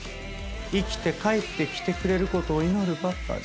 生きて帰ってきてくれる事を祈るばかり。